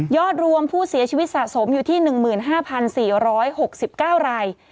รวมผู้เสียชีวิตสะสมอยู่ที่๑๕๔๖๙ราย